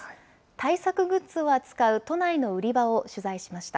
対策グッズを扱う都内の売り場を取材しました。